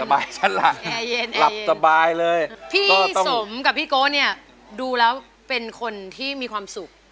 สบายฉันล่ะแอร์เย็นแอร์เย็นหลับสบายเลยพี่สมกับพี่โก้เนี่ยดูแล้วเป็นคนที่มีความสุข